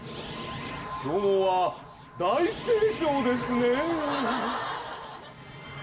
きょうは大盛況ですね。